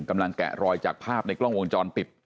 แกะรอยจากภาพในกล้องวงจรปิด